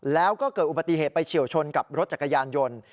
แล้วก็เกิดอุบัติเหตุไปเฉียวชนกับรถจักรยานยนต์